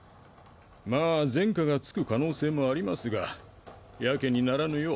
まあ前科がつく可能性もありますが自棄にならぬよう。